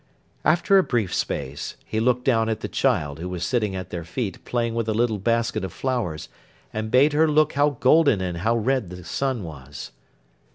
After a brief space, he looked down at the child, who was sitting at their feet playing with a little basket of flowers, and bade her look how golden and how red the sun was.